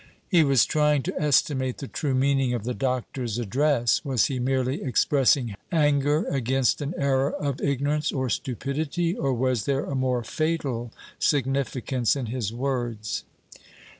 He was trying to estimate the true meaning of the Doctor's address. Was he merely expressing anger against an error of ignorance or stupidity, or was there a more fatal significance in his words?